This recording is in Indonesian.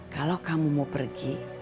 kalau kamu mau pergi